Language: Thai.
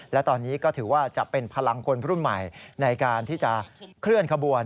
และตอนนี้ก็ถือว่าจะเป็นพลังคนรุ่นใหม่ในการที่จะเคลื่อนขบวน